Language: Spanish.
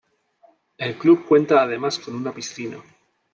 El club cuenta además con una piscina.